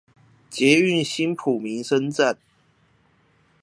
捷運新埔民生站